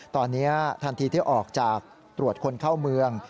ตอนนี้ทันทีที่ออกจากตรวจคนเข้าเมือง